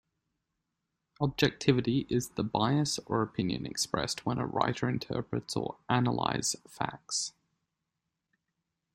Objectivity is the bias or opinion expressed when a writer interprets or analyze facts.